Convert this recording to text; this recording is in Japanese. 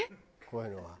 こういうのは。